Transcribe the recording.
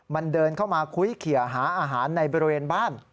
มันเดินเข้ามาคุ้ยเขียหาอาหารในบริเวณบ้าน